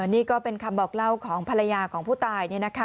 นี่ก็เป็นคำบอกเล่าของภรรยาของผู้ตาย